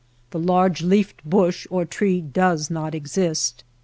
The large leafed bush or tree does not exist.